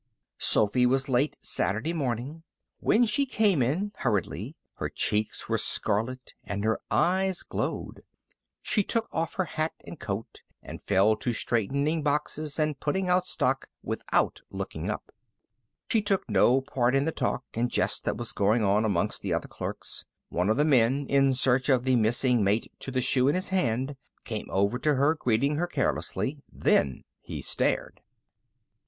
Sophy was late Saturday morning. When she came in, hurriedly, her cheeks were scarlet and her eyes glowed. She took off her hat and coat and fell to straightening boxes and putting out stock without looking up. She took no part in the talk and jest that was going on among the other clerks. One of the men, in search of the missing mate to the shoe in his hand, came over to her, greeting her carelessly. Then he stared.